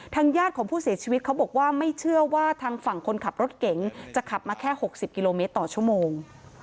ญาติของผู้เสียชีวิตเขาบอกว่าไม่เชื่อว่าทางฝั่งคนขับรถเก๋งจะขับมาแค่๖๐กิโลเมตรต่อชั่วโมง